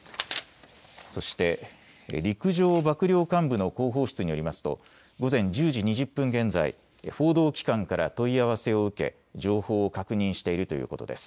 そして陸上幕僚監部の広報室によりますと午前１０時２０分現在報道機関から問い合わせを受け情報を確認しているということです。